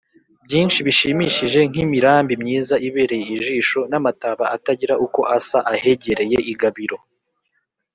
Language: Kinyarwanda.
byinshi bishimishije nk’imirambi myiza ibereye ijisho n’amataba atagira uko asa ahegereye i gabiro